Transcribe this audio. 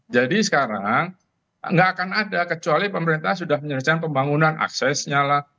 jadi sekarang nggak akan ada kecuali pemerintah sudah menyelesaikan pembangunan aksesnya lah